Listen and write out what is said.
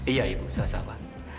iya ibu sama sama